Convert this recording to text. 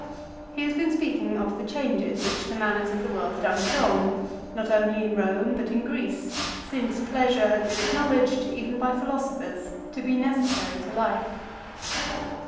He has been speaking of the changes which the manners of the world had undergone, not only in Eome but in Greece, since pleasure had been acknowledged even by philosophers to be necessary to life.